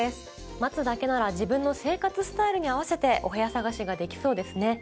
待つだけなら自分の生活スタイルに合わせてお部屋探しができそうですね。